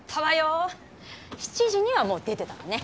７時にはもう出てたわね。